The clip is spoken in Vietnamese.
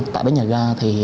tại bến nhà ga